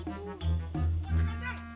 ya aku kejar